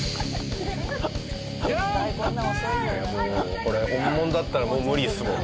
これ本物だったらもう無理ですもんね。